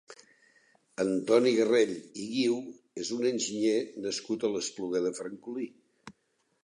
Antoni Garrell i Guiu és un enginyer nascut a l'Espluga de Francolí.